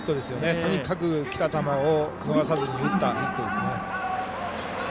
とにかくきた球を逃さずに打ったヒットですね。